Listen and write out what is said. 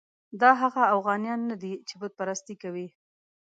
دا هغه اوغانیان نه دي چې بت پرستي کوي.